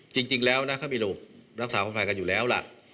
จริงแล้วนะเขามีระบบรักษาความปลอดภัยกันอยู่แล้วล่ะ